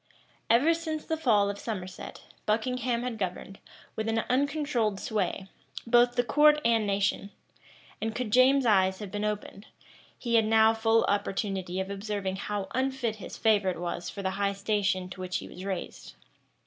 * Franklyn, p. 72. Rushworth, vol. i. p. 66. Ever since the fall of Somerset, Buckingham had governed, with an uncontrolled sway, both the court and nation; and could James's eyes have been opened, he had now full opportunity of observing how unfit his favorite was for the high station to which he was raised.